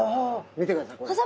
見てくださいこれ。